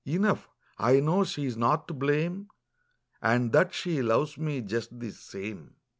Enough, I know she's not to blame. And that she loves me just the same."